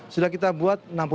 sudah kita buat